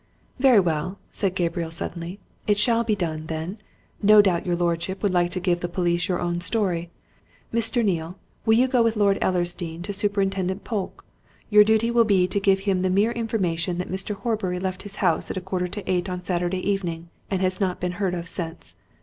"Very well," said Gabriel suddenly, "it shall be done, then. No doubt your lordship would like to give the police your own story. Mr. Neale, will you go with Lord Ellersdeane to Superintendent Polke? Your duty will be to give him the mere information that Mr. Horbury left his house at a quarter to eight on Saturday evening and has not been heard of since.